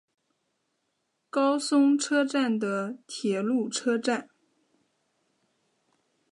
高松车站的铁路车站。